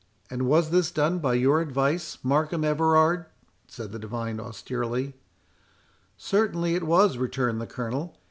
"And was this done by your advice, Markham Everard?" said the divine austerely. "Certainly it was," returned the Colonel.